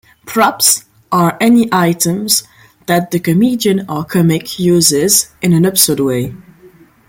Props are any items that the comedian or comic uses in an absurd way.